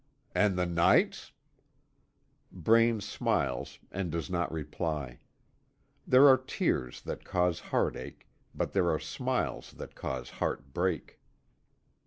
"And the nights?" Braine smiles and does not reply. There are tears that cause heart ache, but there are smiles that cause heart break.